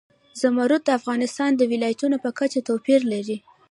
زمرد د افغانستان د ولایاتو په کچه توپیر لري.